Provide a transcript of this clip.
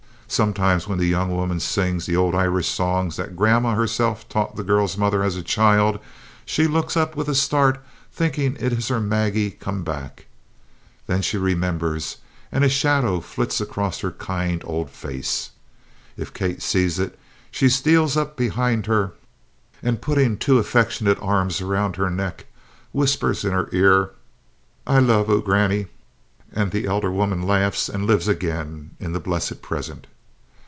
Sometimes when the young woman sings the old Irish songs that Grandma herself taught the girl's mother as a child, she looks up with a start, thinking it is her Maggie come back. Then she remembers, and a shadow flits across her kind old face. If Kate sees it, she steals up behind her, and, putting two affectionate arms around her neck, whispers in her ear, "I love oo, Grannie," and the elder woman laughs and lives again in the blessed present.